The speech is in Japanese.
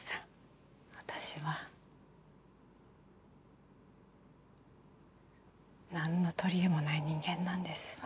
私はなんの取りえもない人間なんです。